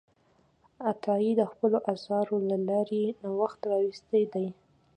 عطایي د خپلو اثارو له لارې نوښت راوستی دی.